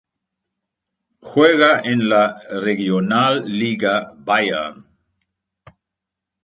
Juega en la Regionalliga Bayern.